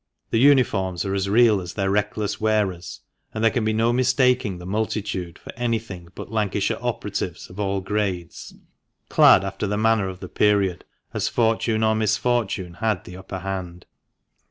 The uniforms are as real as their reckless wearers: and there can be no mistaking the multitude for anything 478 FINAL APPENDIX. but Lancashire operatives of all grades, clad after the manner of the period, as fortune or misfortune had the upper hand.